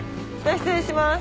失礼します。